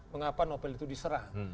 mengapa nopel itu diserah